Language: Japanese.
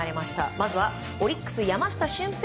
まずはオリックス山下舜平